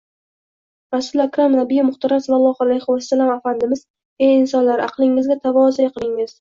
Rasuli akram nabiyyi muhtaram sallollohu alayhi vasallam afandimiz: «Ey insonlar! Aqlingizga tavoze’ qilingiz